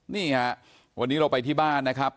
นี่ฮะวันนี้เราไปที่บ้านนะครับ